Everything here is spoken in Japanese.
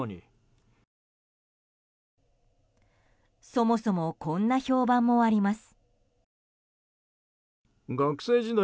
そもそもこんな評判もあります。